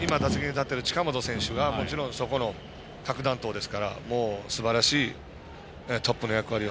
もちろん、打席に今、立っている近本選手がもちろん、そこの核弾頭ですからもうすばらしいトップの役割